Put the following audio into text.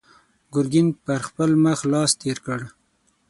ګرګين پر خپل مخ لاس تېر کړ.